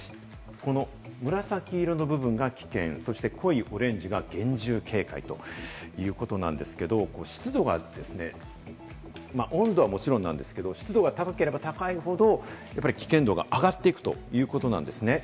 紫色の部分が危険、そして濃いオレンジが厳重警戒ということなんですけれども、温度はもちろんなんですが、湿度が高ければ高いほど危険度が上がっていくということなんです。